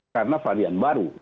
karena varian baru